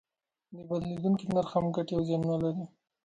د بدلیدونکي نرخ هم ګټې او زیانونه لري.